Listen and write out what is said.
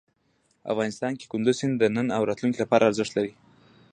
افغانستان کې کندز سیند د نن او راتلونکي لپاره ارزښت لري.